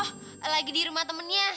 oh lagi di rumah temennya